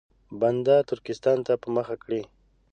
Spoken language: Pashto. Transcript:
بنده ترکستان ته په مخه کړي.